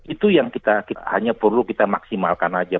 itu yang kita hanya perlu kita maksimalkan saja